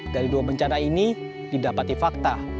dari dua bencana ini didapati fakta